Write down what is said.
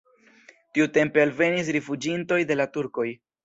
Tiutempe alvenis rifuĝintoj de la turkoj.